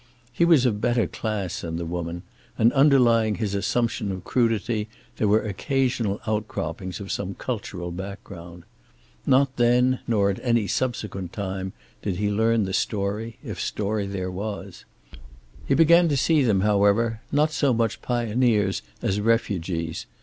He was of better class than the woman, and underlying his assumption of crudity there were occasional outcroppings of some cultural background. Not then, nor at any subsequent time, did he learn the story, if story there was. He began to see them, however, not so much pioneers as refugees.